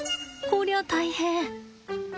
こりゃ大変！